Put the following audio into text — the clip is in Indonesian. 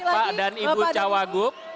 bapak dan ibu cawaguk